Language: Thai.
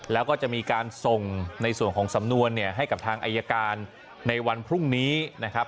แล้วก็จะมีการส่งในส่วนของสำนวนเนี่ยให้กับทางอายการในวันพรุ่งนี้นะครับ